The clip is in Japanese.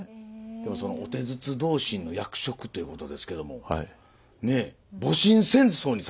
でもその御手筒同心の役職っていうことですけどもねえ戊辰戦争に参加してますよ。